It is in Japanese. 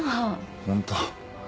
ホント。